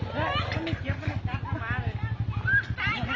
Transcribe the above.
กายท่านท่านตอนนี้